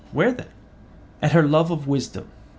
Where then? At her love of wisdom.